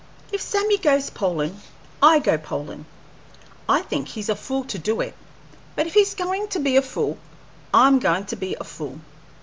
If Sammy goes polin', I go polin'. I think he's a fool to do it; but if he's goin' to be a fool, I am goin' to be a fool.